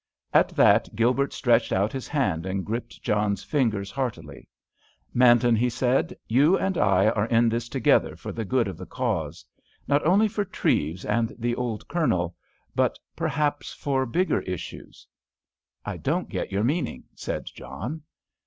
At that Gilbert stretched out his hand and gripped John's fingers heartily. "Manton," he said, "you and I are in this together for the good of the Cause. Not only for Treves and the old Colonel, but perhaps for bigger issues." "I don't get your meaning," said John.